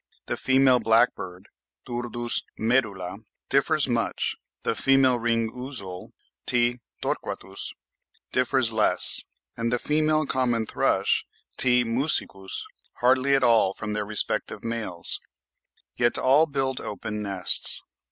The female blackbird (Turdus merula) differs much, the female ring ouzel (T. torquatus) differs less, and the female common thrush (T. musicus) hardly at all from their respective males; yet all build open nests.